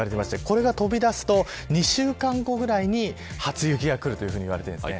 これが飛び出すと２週間後くらいに初雪が来ると言われています。